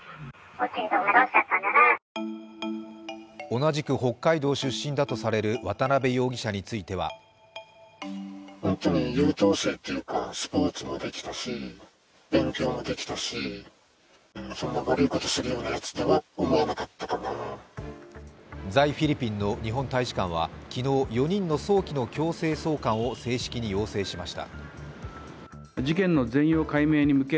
同じく北海道出身だとされる渡辺容疑者については在フィリピンの日本大使館は昨日、４人の早期の強制送還を正式に要請しました。